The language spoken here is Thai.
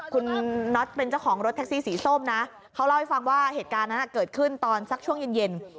คุณน็อตเป็นเจ้าของรถแท็กซี่สีส้มนะเขาเล่าให้ฟังว่าเหตุการณ์นั้นเกิดขึ้นตอนสักช่วงเย็น